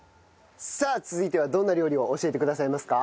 さあ続いてはどんな料理を教えてくださいますか？